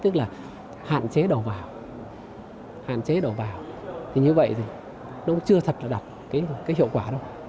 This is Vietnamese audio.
tức là hạn chế đầu vào hạn chế đầu vào thì như vậy thì nó cũng chưa thật là đặt cái hiệu quả đâu